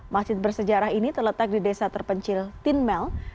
masjid bersejarah ini terletak di desa terpencil tinmel